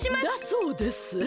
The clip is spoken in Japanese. だそうです。